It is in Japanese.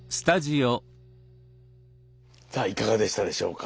さあいかがでしたでしょうか？